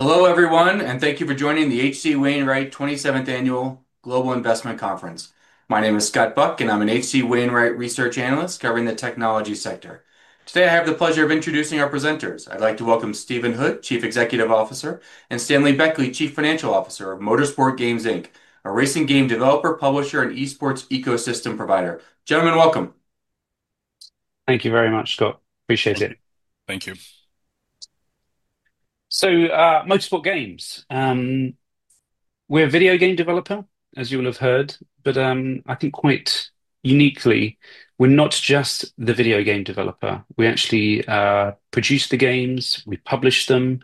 Hello, everyone, and thank you for joining the H.C. Wainwright 27th Annual Global Investment Conference. My name is Scott Buck and I'm an H.C. Wainwright Research Analyst covering the technology sector. Today, I have the pleasure of introducing our presenters. I'd like to welcome Stephen Hood, Chief Executive Officer, and Stanley Beckley, Chief Financial Officer of Motorsport Games, Inc., a racing game developer, publisher, and eSports ecosystem provider. Gentlemen, welcome. Thank you very much, Scott. Appreciate it. Thank you. Motorsport Games, we're a video game developer, as you will have heard, but I think quite uniquely, we're not just the video game developer. We actually produce the games, we publish them,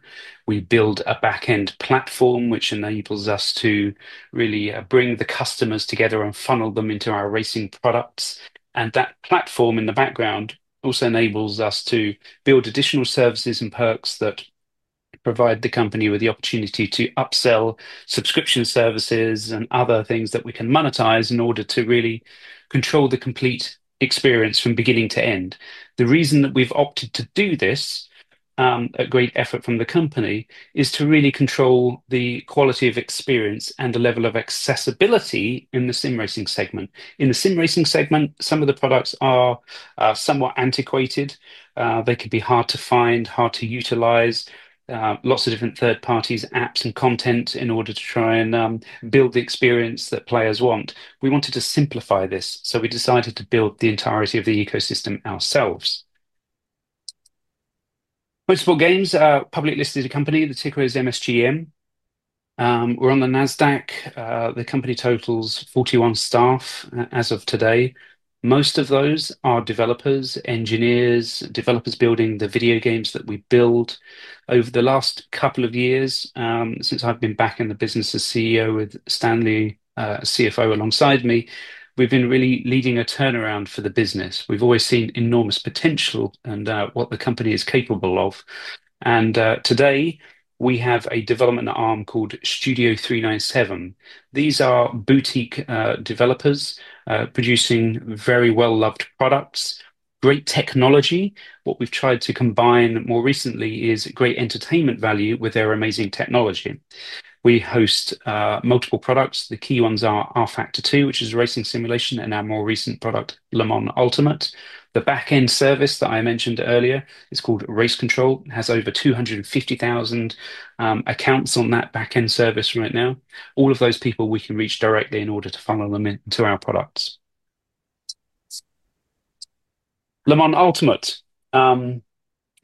we build a backend platform which enables us to really bring the customers together and funnel them into our racing products. That platform in the background also enables us to build additional services and perks that provide the company with the opportunity to upsell subscription services and other things that we can monetize in order to really control the complete experience from beginning to end. The reason that we've opted to do this, a great effort from the company, is to really control the quality of experience and the level of accessibility in the sim racing segment. In the sim racing segment, some of the products are somewhat antiquated. They could be hard to find, hard to utilize, lots of different third parties, apps, and content in order to try and build the experience that players want. We wanted to simplify this, so we decided to build the entirety of the ecosystem ourselves. Motorsport Games is a publicly listed company. The ticker is MSGM. We're on the NASDAQ. The company totals 41 staff as of today. Most of those are developers, engineers, developers building the video games that we build. Over the last couple of years, since I've been back in the business as CEO with Stanley, a CFO alongside me, we've been really leading a turnaround for the business. We've always seen enormous potential in what the company is capable of. Today, we have a development arm called Studio 397. These are boutique developers producing very well-loved products, great technology. What we've tried to combine more recently is great entertainment value with their amazing technology. We host multiple products. The key ones are rFactor 2, which is racing simulation, and our more recent product, Le Mans Ultimate. The backend service that I mentioned earlier is called Race Control. It has over 250,000 accounts on that backend service right now. All of those people we can reach directly in order to funnel them into our products. Le Mans Ultimate,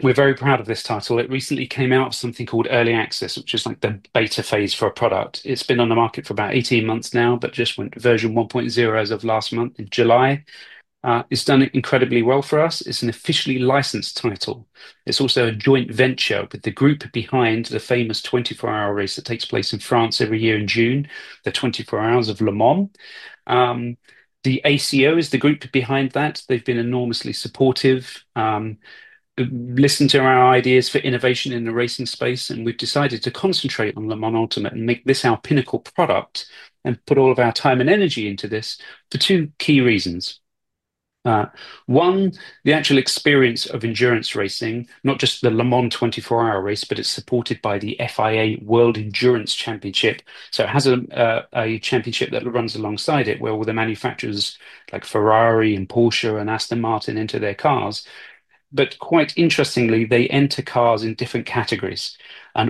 we're very proud of this title. It recently came out of something called Early Access, which is like the beta phase for a product. It's been on the market for about 18 months now, but just went to version 1.0 as of last month in July. It's done incredibly well for us. It's an officially licensed title. It's also a joint venture with the group behind the famous 24-hour race that takes place in France every year in June, the 24 Hours of Le Mans. The ACO is the group behind that. They've been enormously supportive, listened to our ideas for innovation in the racing space, and we've decided to concentrate on Le Mans Ultimate and make this our pinnacle product and put all of our time and energy into this. The two key reasons: one, the actual experience of endurance racing, not just the Le Mans 24-hour race, but it's supported by the FIA World Endurance Championship. It has a championship that runs alongside it, where all the manufacturers like Ferrari and Porsche and Aston Martin enter their cars. Quite interestingly, they enter cars in different categories.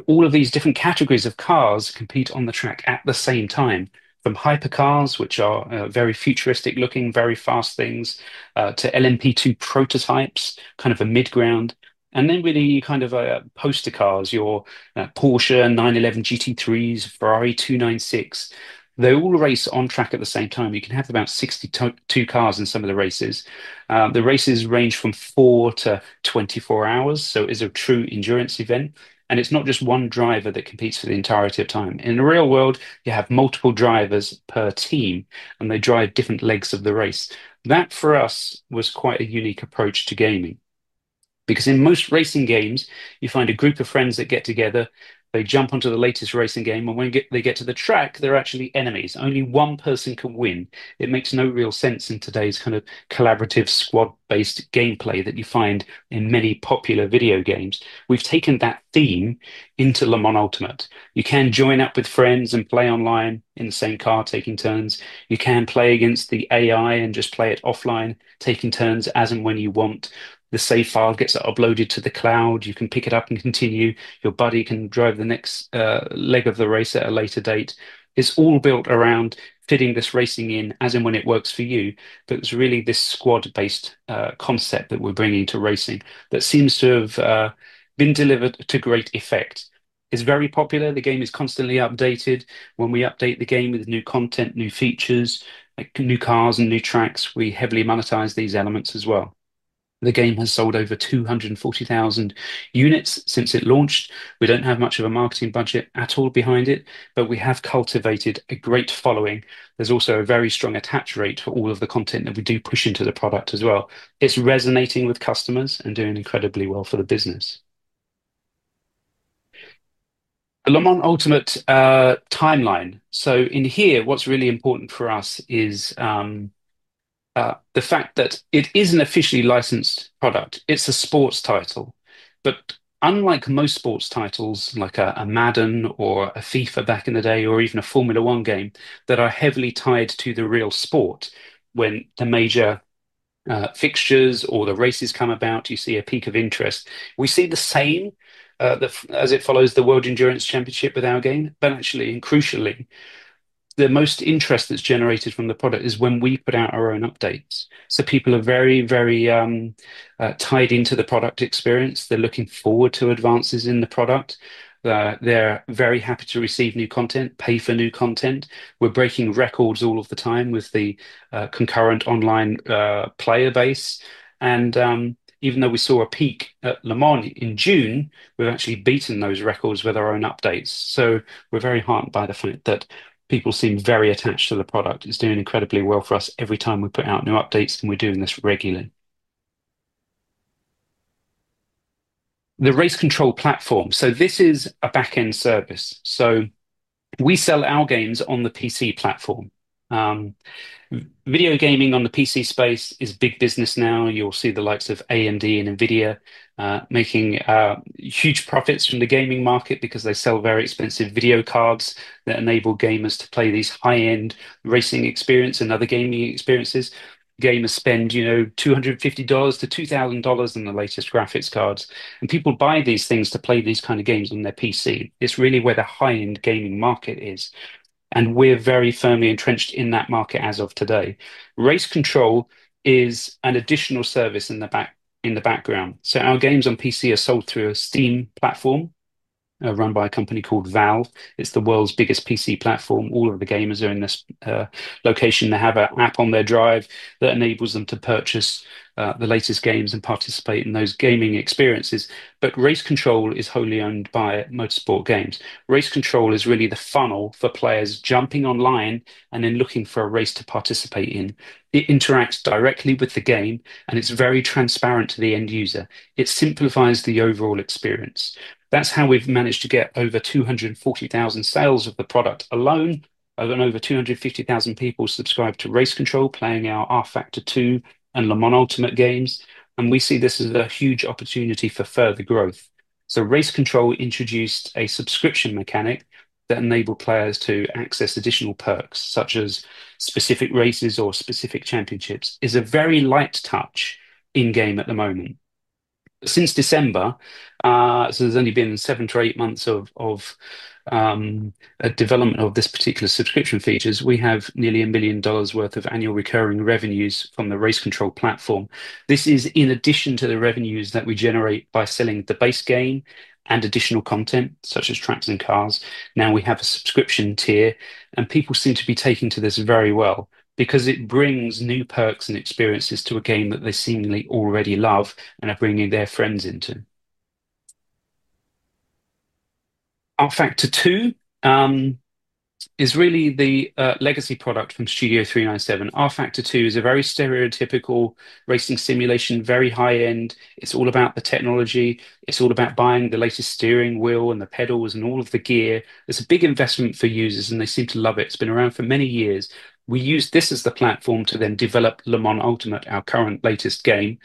All of these different categories of cars compete on the track at the same time, from hypercars, which are very futuristic looking, very fast things, to LMP2 prototypes, kind of a mid-ground, and then really kind of poster cars, your Porsche 911 GT3s, Ferrari 296. They all race on track at the same time. You can have about 62 cars in some of the races. The races range from 4- 24 hours, so it's a true endurance event. It's not just one driver that competes for the entirety of time. In the real world, you have multiple drivers per team, and they drive different legs of the race. That, for us, was quite a unique approach to gaming. In most racing games, you find a group of friends that get together, they jump onto the latest racing game, and when they get to the track, they're actually enemies. Only one person can win. It makes no real sense in today's kind of collaborative squad-based gameplay that you find in many popular video games. We've taken that theme into Le Mans Ultimate. You can join up with friends and play online in the same car, taking turns. You can play against the AI and just play it offline, taking turns as and when you want. The save file gets uploaded to the cloud. You can pick it up and continue. Your buddy can drive the next leg of the race at a later date. It's all built around fitting this racing in as and when it works for you. It's really this squad-based concept that we're bringing to racing that seems to have been delivered to great effect. It's very popular. The game is constantly updated. When we update the game with new content, new features, like new cars and new tracks, we heavily monetize these elements as well. The game has sold over 240,000 units since it launched. We don't have much of a marketing budget at all behind it, but we have cultivated a great following. There's also a very strong attach rate for all of the content that we do push into the product as well. It's resonating with customers and doing incredibly well for the business. Le Mans Ultimate timeline. In here, what's really important for us is the fact that it is an officially licensed product. It's a sports title. Unlike most sports titles, like a Madden or a FIFA back in the day, or even a Formula One game that are heavily tied to the real sport, when the major fixtures or the races come about, you see a peak of interest. We see the same as it follows the World Endurance Championship with our game. Actually, and crucially, the most interest that's generated from the product is when we put out our own updates. People are very, very tied into the product experience. They're looking forward to advances in the product. They're very happy to receive new content, pay for new content. We're breaking records all of the time with the concurrent online player base. Even though we saw a peak at Le Mans in June, we've actually beaten those records with our own updates. We're very heartened by the fact that people seem very attached to the product. It's doing incredibly well for us every time we put out new updates, and we're doing this regularly. The RaceControl platform. This is a backend service. We sell our games on the PC platform. Video gaming on the PC space is big business now. You'll see the likes of AMD and Nvidia making huge profits from the gaming market because they sell very expensive video cards that enable gamers to play these high-end racing experiences and other gaming experiences. Gamers spend, you know, $250- $2,000 on the latest graphics cards. People buy these things to play these kind of games on their PC. It's really where the high-end gaming market is. We're very firmly entrenched in that market as of today. RaceControl is an additional service in the background. Our games on PC are sold through a Steam platform run by a company called Valve. It's the world's biggest PC platform. All of the gamers are in this location. They have an app on their drive that enables them to purchase the latest games and participate in those gaming experiences. RaceControl is wholly owned by Motorsport Games. RaceControl is really the funnel for players jumping online and then looking for a race to participate in. It interacts directly with the game, and it's very transparent to the end user. It simplifies the overall experience. That's how we've managed to get over 240,000 sales of the product alone, and over 250,000 people subscribed to RaceControl, playing our rFactor 2 and Le Mans Ultimate games. We see this as a huge opportunity for further growth. RaceControl introduced a subscription mechanic that enabled players to access additional perks, such as specific races or specific championships. It's a very light touch in-game at the moment. Since December, so there's only been seven to eight months of development of this particular subscription feature, we have nearly $1 million worth of annual recurring revenue from the RaceControl platform. This is in addition to the revenue that we generate by selling the base game and additional content, such as tracks and cars. Now we have a subscription tier, and people seem to be taking to this very well because it brings new perks and experiences to a game that they seemingly already love and are bringing their friends into. rFactor 2 is really the legacy product from Studio 397. rFactor 2 is a very stereotypical racing simulation, very high-end. It's all about the technology. It's all about buying the latest steering wheel and the pedals and all of the gear. It's a big investment for users, and they seem to love it. It's been around for many years. We use this as the platform to then develop Le Mans Ultimate, our current latest game,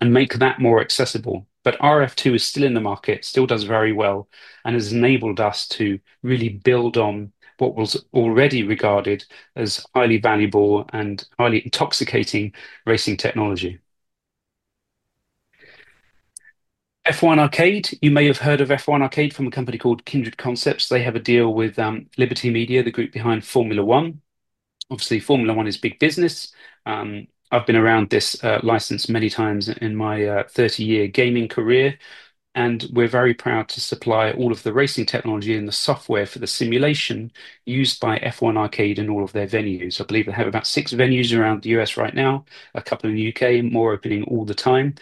and make that more accessible. rFactor 2 is still in the market, still does very well, and has enabled us to really build on what was already regarded as highly valuable and highly intoxicating racing technology. F1 Arcade, you may have heard of F1 Arcade from a company called Kindred Concepts. They have a deal with Liberty Media, the group behind Formula 1. Obviously, Formula 1 is big business. I've been around this license many times in my 30-year gaming career. We're very proud to supply all of the racing technology and the software for the simulation used by F1 Arcade in all of their venues. I believe they have about six venues around the U.S., right now, a couple in the U.K., more opening all the time.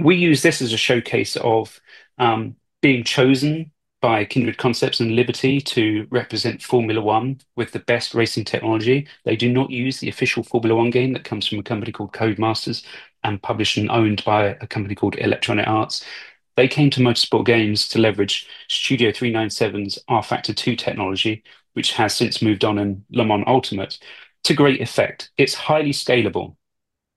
We use this as a showcase of being chosen by Kindred Concepts and Liberty Media to represent Formula 1 with the best racing technology. They do not use the official Formula One game that comes from a company called Codemasters and published and owned by a company called Electronic Arts. They came to Motorsport Games to leverage Studio 397's rFactor 2 technology, which has since moved on in Le Mans Ultimate, to great effect. It's highly scalable.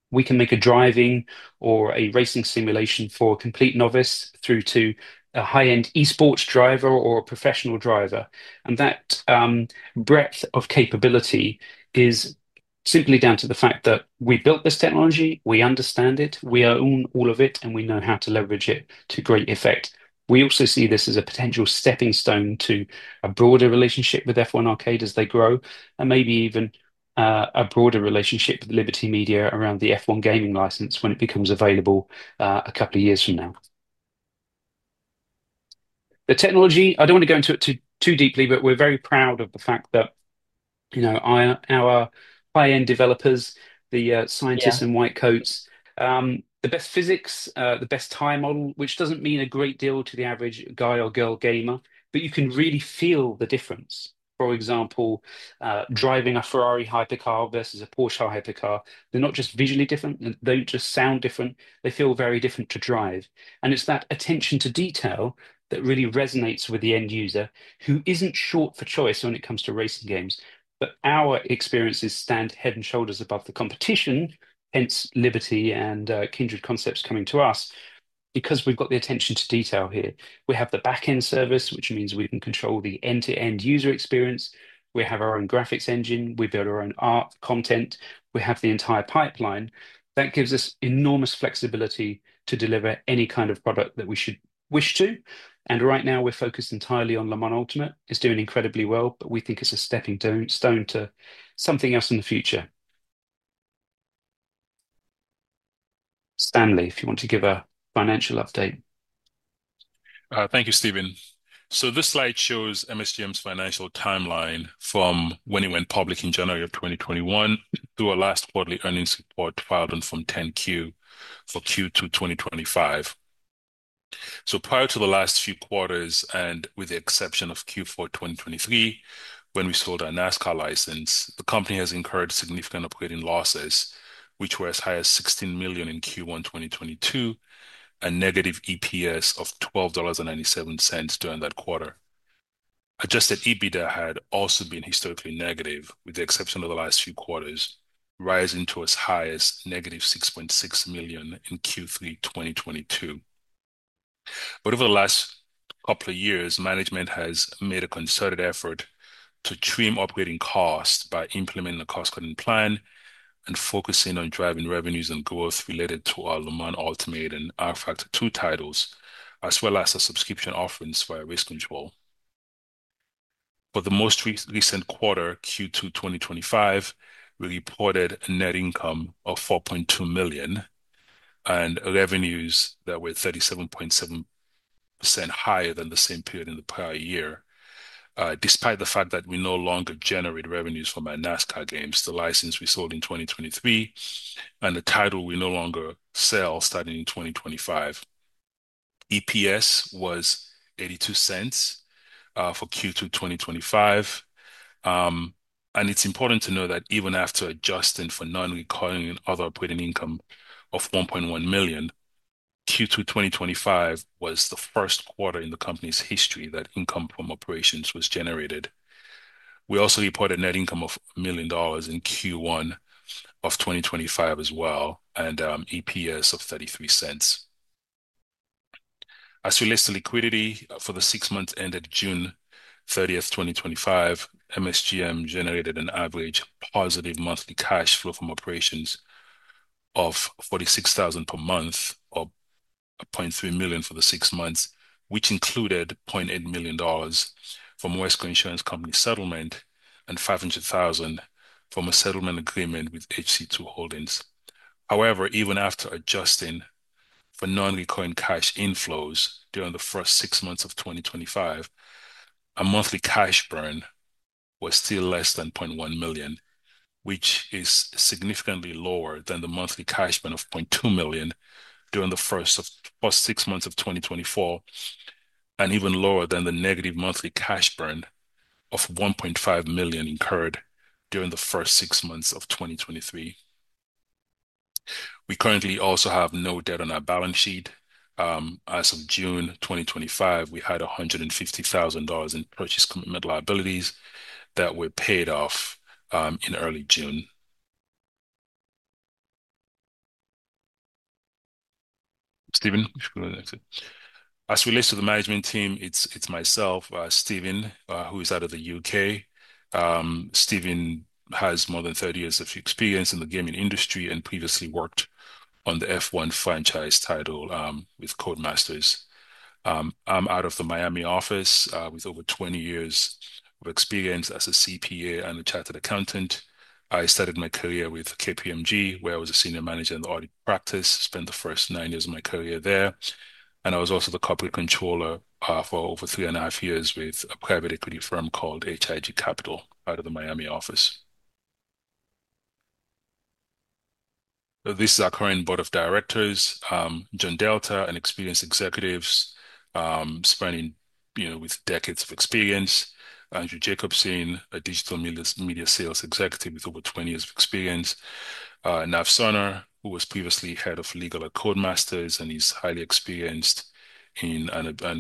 We can make a driving or a racing simulation for a complete novice through to a high-end eSports driver or a professional driver. That breadth of capability is simply down to the fact that we built this technology, we understand it, we own all of it, and we know how to leverage it to great effect. We also see this as a potential stepping stone to a broader relationship with F1 Arcade as they grow, and maybe even a broader relationship with Liberty Media around the F1 gaming license when it becomes available a couple of years from now. The technology, I don't want to go into it too deeply, but we're very proud of the fact that our high-end developers, the scientists in white coats, the best physics, the best tire model, which doesn't mean a great deal to the average guy or girl gamer, but you can really feel the difference. For example, driving a Ferrari hypercar versus a Porsche hypercar, they're not just visually different, they just sound different, they feel very different to drive. It's that attention to detail that really resonates with the end user who isn't short for choice when it comes to racing games. Our experiences stand head and shoulders above the competition, hence Liberty and Kindred Concepts coming to us, because we've got the attention to detail here. We have the backend service, which means we can control the end-to-end user experience. We have our own graphics engine. We build our own art content. We have the entire pipeline. That gives us enormous flexibility to deliver any kind of product that we should wish to. Right now, we're focused entirely on Le Mans Ultimate. It's doing incredibly well, but we think it's a stepping stone to something else in the future. Stanley, if you want to give a financial update. Thank you, Stephen. This slide shows MSDM' s financial timeline from when it went public in January of 2021 through our last quarterly earnings report filed from 10-Q for Q2 2025. Prior to the last few quarters, and with the exception of Q4 2023, when we sold our NASCAR license, the company has incurred significant operating losses, which were as high as $16 million in Q1 2022 and a negative EPS of $12.97 during that quarter. Adjusted EBITDA had also been historically negative, with the exception of the last few quarters, rising to as high as negative $6.6 million in Q3 2022. Over the last couple of years, management has made a concerted effort to trim operating costs by implementing a cost-cutting plan and focusing on driving revenues and growth related to our Le Mans Ultimate and rFactor 2 titles, as well as our subscription offerings via RaceControl. For the most recent quarter, Q2 2025, we reported a net income of $4.2 million and revenues that were 37.7% higher than the same period in the prior year. Despite the fact that we no longer generate revenues from our NASCAR games, the license we sold in 2023 and the title we no longer sell starting in 2025, EPS was $0.82 for Q2 2025. It's important to note that even after adjusting for non-recurring and other operating income of $1.1 million, Q2 2025 was the first quarter in the company's history that income from operations was generated. We also reported a net income of $1 million in Q1 of 2025 as well, and EPS of $0.33. As we list the liquidity for the six months ended June 30th, 2025, MSGM generated an average positive monthly cash flow from operations of $46,000 per month, or $0.3 million for the six months, which included $0.8 million from Wesco Insurance Company settlement and $500,000 from a settlement agreement with HC2 Holdings. Even after adjusting for non-recurring cash inflows during the first six months of 2025, our monthly cash burn was still less than $0.1 million, which is significantly lower than the monthly cash burn of $0.2 million during the first six months of 2024, and even lower than the negative monthly cash burn of $1.5 million incurred during the first six months of 2023. We currently also have no debt on our balance sheet. As of June 2025, we had $150,000 in purchase commitment liabilities that were paid off in early June. Stephen, as we list the management team, it's myself, Stephen, who is out of the U.K. Stephen has more than 30 years of experience in the gaming industry and previously worked on the F1 franchise title with Codemasters. I'm out of the Miami office with over 20 years of experience as a CPA and a Chartered Accountant. I started my career with KPMG, where I was a Senior Manager in the audit practice. I spent the first nine years of my career there. I was also the Corporate Controller for over three and a half years with a private equity firm called H.I.G. Capital out of the Miami office. This is our current Board of Directors: John Delta, an experienced executive spanning decades of experience; Andrew Jacobson, a digital media sales executive with over 20 years of experience; Nafsanna, who was previously Head of Legal at Codemasters, and he's highly experienced and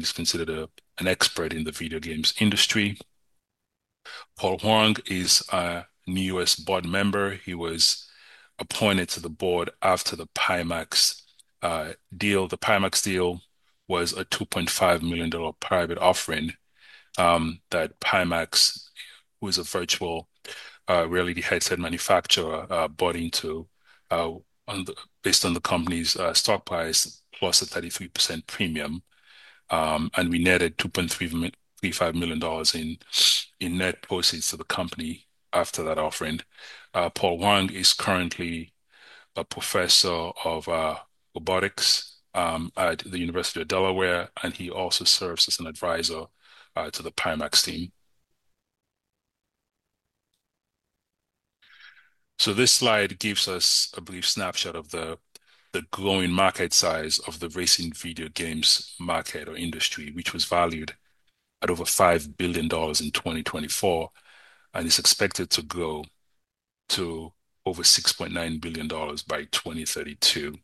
is considered an expert in the video games industry; Paul Huang is a new U.S. board member. He was appointed to the board after the Pimax deal. The Pimax deal was a $2.5 million private offering that Pimax, who is a virtual reality headset manufacturer, bought into, based on the company's stock price, plus a 33% premium. We netted $2.35 million in net proceeds to the company after that offering. Paul Huang is currently a Professor of Robotics at the University of Delaware, and he also serves as an advisor to the Pimax team. This slide gives us a brief snapshot of the growing market size of the racing video games market or industry, which was valued at over $5 billion in 2024 and is expected to grow to over $6.9 billion by 2032.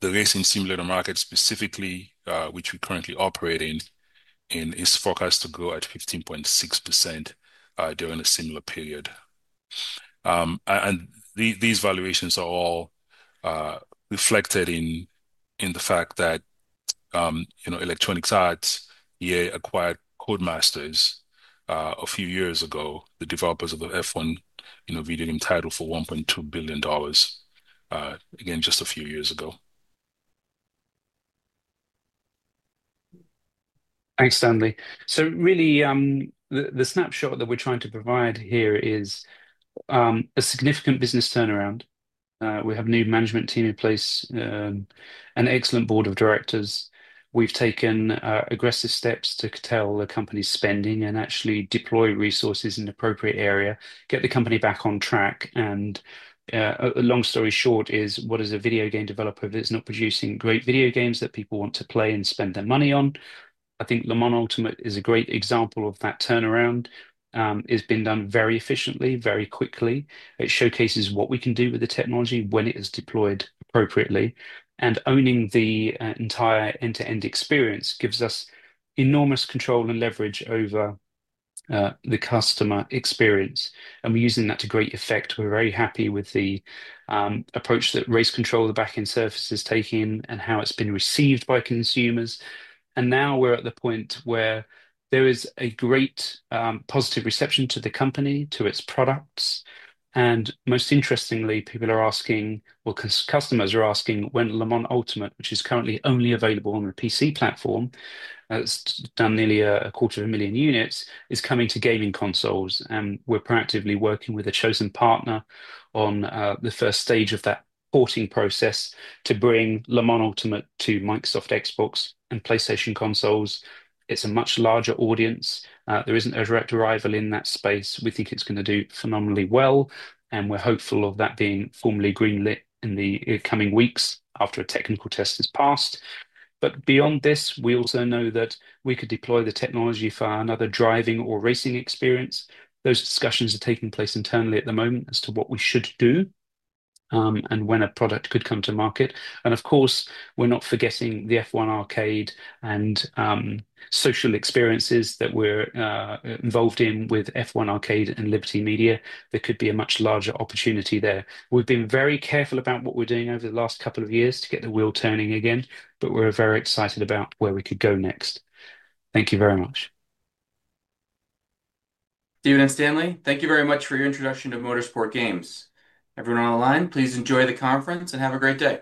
The racing simulator market specifically, which we currently operate in, is forecast to grow at 15.6% during a similar period. These valuations are all reflected in the fact that Electronic Arts acquired Codemasters a few years ago, the developers of the F1 video game title, for $1.2 billion, just a few years ago. Thanks, Stanley. The snapshot that we're trying to provide here is a significant business turnaround. We have a new management team in place, an excellent Board of Directors. We've taken aggressive steps to curtail the company's spending and actually deploy resources in the appropriate area, get the company back on track. A long story short is, what is a video game developer that's not producing great video games that people want to play and spend their money on? I think Le Mans Ultimate is a great example of that turnaround. It's been done very efficiently, very quickly. It showcases what we can do with the technology when it is deployed appropriately. Owning the entire end-to-end experience gives us enormous control and leverage over the customer experience. We're using that to great effect. We're very happy with the approach that RaceControl, the backend service, is taking and how it's been received by consumers. Now we're at the point where there is a great positive reception to the company, to its products. Most interestingly, customers are asking when Le Mans Ultimate, which is currently only available on the PC platform, it's done nearly a quarter of a million units, is coming to gaming consoles. We're proactively working with a chosen partner on the first stage of that porting process to bring Le Mans Ultimate to Microsoft Xbox and PlayStation consoles. It's a much larger audience. There isn't a direct rival in that space. We think it's going to do phenomenally well. We're hopeful of that being formally greenlit in the coming weeks after a technical test has passed. Beyond this, we also know that we could deploy the technology for another driving or racing experience. Those discussions are taking place internally at the moment as to what we should do and when a product could come to market. Of course, we're not forgetting the F1 Arcade and social experiences that we're involved in with F1 Arcade and Liberty Media. There could be a much larger opportunity there. We've been very careful about what we're doing over the last couple of years to get the wheel turning again, but we're very excited about where we could go next. Thank you very much. Stephen and Stanley, thank you very much for your introduction to Motorsport Games. Everyone on the line, please enjoy the conference and have a great day.